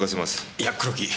いや黒木